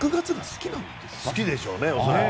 好きでしょうね。